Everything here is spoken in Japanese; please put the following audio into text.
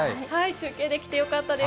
中継できてよかったです。